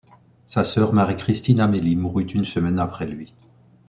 Sa sœur Marie Christine Amélie mourut une semaine après lui.